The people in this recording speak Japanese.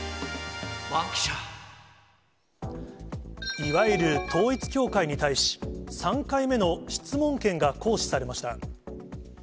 いわゆる統一教会に対し、３回目の質問権が行使されました。